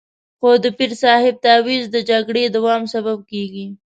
خو د پیر صاحب تعویض د جګړې دوام سبب کېږي.